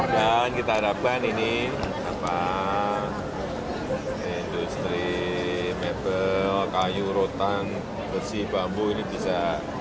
dan kita harapkan ini industri mebel kayu rotan bersih bambu ini bisa